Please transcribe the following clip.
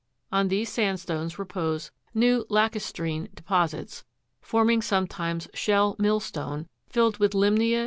On these sandstones repose new lacu'strine deposits, form ing sometimes shell millstone, filled with lymnese (fig.